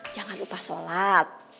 jangan lupa sholat